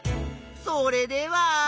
それでは！